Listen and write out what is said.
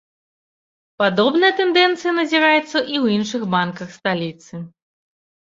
Падобныя тэндэнцыі назіраюцца і ў іншых банках сталіцы.